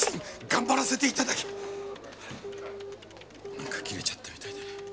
何か切れちゃったみたいだな。